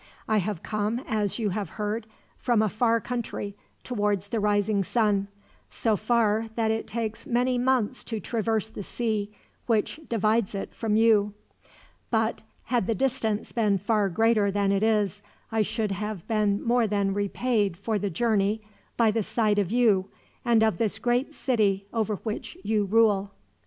I have come, as you have heard, from a far country, towards the rising sun; so far that it takes many months to traverse the sea which divides it from you; but had the distance been far greater than it is, I should have been more than repaid for the journey by the sight of you, and of this great city over which you rule."